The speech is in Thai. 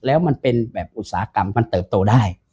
แล้วมันเป็นแบบอุตสาหกรรมมันเติบโตได้